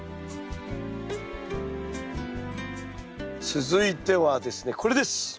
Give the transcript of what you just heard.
続いてはですねこれです。